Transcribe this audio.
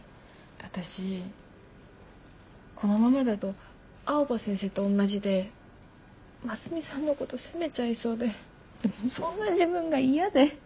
私このままだと青葉先生と同じでますみさんのこと責めちゃいそうでそんな自分が嫌で。